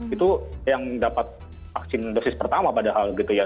itu yang dapat vaksin dosis pertama padahal gitu ya